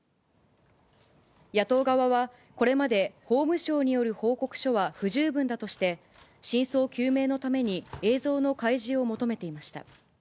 野党側は、これまで法務省による報告書は不十分だとして、真相究明のために、映像の開示を求めていました。